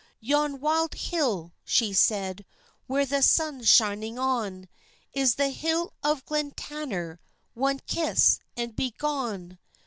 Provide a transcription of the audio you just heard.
'Yon wild hill,' she said, 'Where the sun's shining on, Is the hill of Glentanner,— One kiss, and begone!